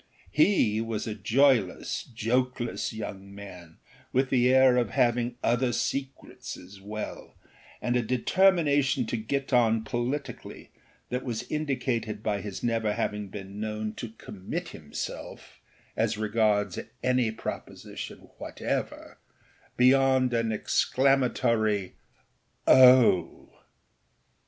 He was a joyless, jokeless young man, with the air of having other secrets as well, and a determination to get on politically that was indicated by his never having been known to commit himselfâas regards any proposition whateverâbeyond an exclamatory âOh!